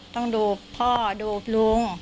ต้องดูพ่อดูลุง